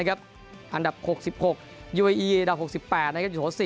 อันดับ๖๖ดับ๖๘อยู่โถ๔